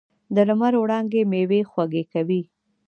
د لمر وړانګې میوې خوږې کوي.